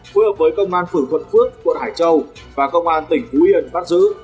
phối hợp với công an phưởng quận phước quận hải châu và công an tỉnh phú yên bắt giữ